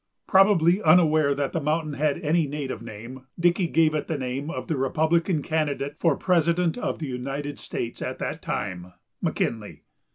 Probably unaware that the mountain had any native name, Dickey gave it the name of the Republican candidate for President of the United States at that time McKinley.